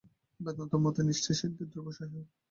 বেদান্ত-মতে নিষ্ঠাই সিদ্ধির ধ্রুব সহায়ক।